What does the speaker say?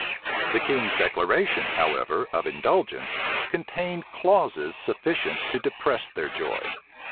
The king's declaration, however, of indulgence, contained clauses sufficient to depress their joy.